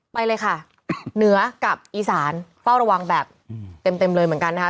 ไปเลยค่ะเหนือกับอีสานเฝ้าระวังแบบเต็มเลยเหมือนกันนะคะ